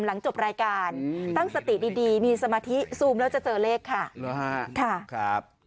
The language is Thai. หลังจบรายการตั้งสติดีมีสมาธิซูมแล้วจะเจอเลขค่ะครับ